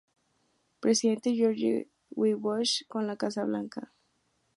Presidente George W. Bush en la Casa Blanca.